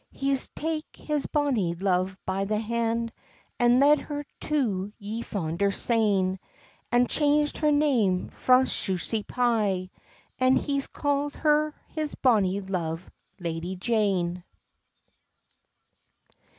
He's tak his bonny love by the han, And led her to yon fountain stane; He's changed her name frae Shusy Pye, An he's cald her his bonny love, Lady Jane.